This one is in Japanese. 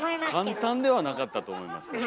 簡単ではなかったと思いますけど。